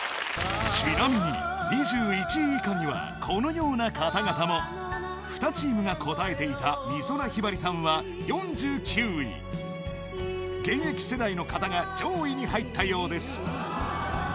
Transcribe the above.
ちなみに２１位以下にはこのような方々も２チームが答えていた美空ひばりさんは４９位現役世代の方が上位に入ったようです